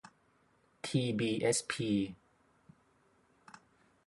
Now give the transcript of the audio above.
ทีบีเอสพี